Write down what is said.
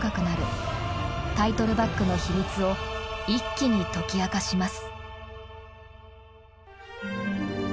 タイトルバックの秘密を一気に解き明かします。